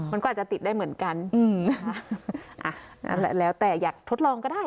มันก็อาจจะติดได้เหมือนกันแล้วแต่อยากทดลองก็ได้